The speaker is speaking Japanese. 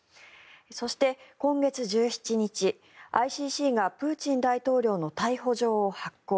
そして、今月１７日、ＩＣＣがプーチン大統領の逮捕状を発行。